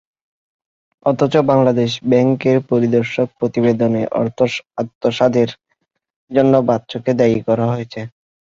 অথচ বাংলাদেশ ব্যাংকের পরিদর্শন প্রতিবেদনে অর্থ আত্মসাতের জন্য বাচ্চুকে দায়ী করা হয়েছে।